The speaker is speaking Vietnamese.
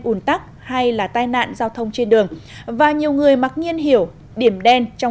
ủn tắc hay là tai nạn giao thông trên đường và nhiều người mặc nhiên hiểu điểm đen trong